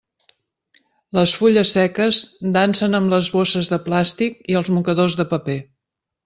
Les fulles seques dansen amb les bosses de plàstic i els mocadors de paper.